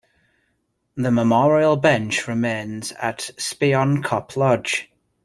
The Memorial bench remains at Spion Kop Lodge.